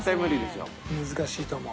難しいと思う。